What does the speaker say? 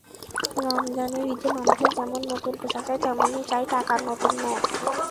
রমজানের ঈদে মানুষের যেমন নতুন পোশাক চাই, তেমনি চাই টাকার নতুন নোট।